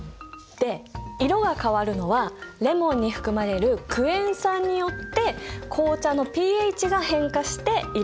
で色が変わるのはレモンに含まれるクエン酸によって紅茶のｐＨが変化して色が薄くなるんだよ。